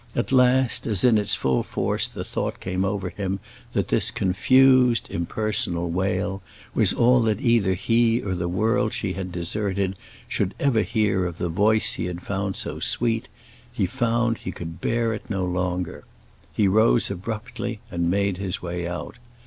At last, as in its full force the thought came over him that this confused, impersonal wail was all that either he or the world she had deserted should ever hear of the voice he had found so sweet, he felt that he could bear it no longer. He rose abruptly and made his way out.